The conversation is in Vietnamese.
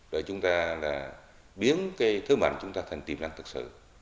để chúng ta biến cái thứ mạnh của chúng ta thành tiềm năng thực sự